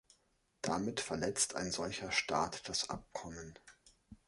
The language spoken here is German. Damit verletzt ein solcher Staat das Abkommen.